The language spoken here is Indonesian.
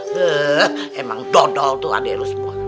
beuh emang dodol tuh adek lo semua